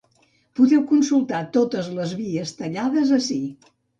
Podeu consultar totes les vies tallades ací.